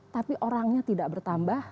tapi orangnya tidak bertambah